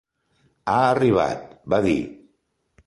"Ha arribat" va dir.